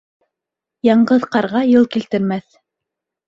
Яңғыҙ ҡарға йыл килтермәҫ